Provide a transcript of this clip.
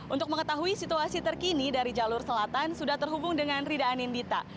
untuk mengetahui situasi terkini dari jalur selatan sudah terhubung dengan rida anindita